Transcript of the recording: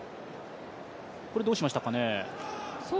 これ、どうしましたかね。